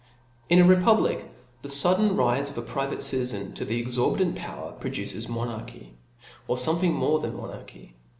In a republic, the fudden rife of a private ci tizen to exorbitant power produces monarchy, or fomething more than monafchy.